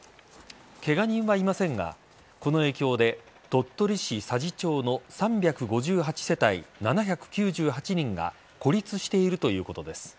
ケガ人はいいませんがこの影響で鳥取市佐治町の３５８世帯７９８人が孤立しているということです。